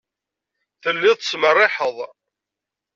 Telliḍ tettmerriḥeḍ.